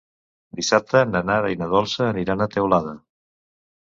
Dissabte na Nara i na Dolça aniran a Teulada.